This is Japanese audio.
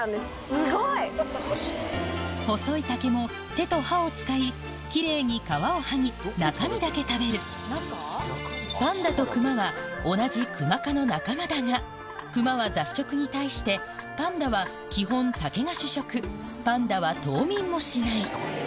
すごい！細い竹も手と歯を使い奇麗に皮を剥ぎ中身だけ食べるパンダとクマは同じクマ科の仲間だがクマは雑食に対してパンダは基本竹が主食パンダは冬眠もしない